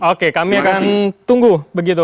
oke kami akan tunggu begitu